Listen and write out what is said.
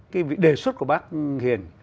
cái đề xuất của bác hiền